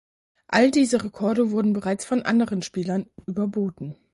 All diese Rekorde wurden bereits von anderen Spielern überboten.